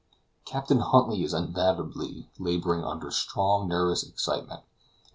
Captain Huntly is undoubtedly laboring under strong nervous excitement; and M.